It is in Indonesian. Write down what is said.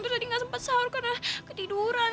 terus tadi gak sempet sahur karena ketiduran